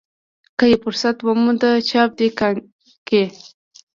که یې فرصت وموند چاپ دې کاندي.